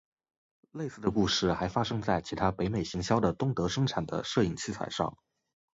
类似的故事还发生在其他北美行销的东德生产的摄影器材上。